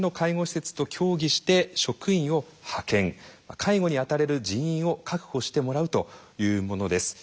介護にあたれる人員を確保してもらうというものです。